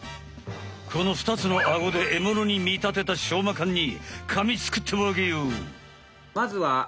このふたつのアゴでえものに見たてたしょうま缶にかみつくってわけよ。